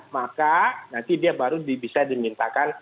maka nanti dia baru bisa dimintakan